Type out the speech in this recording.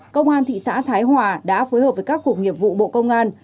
công an thị xã thái hòa đã phối hợp với các cuộc nghiệp vụ bộ công an